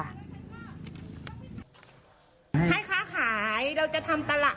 ให้ค้าขายเราจะทำตลาด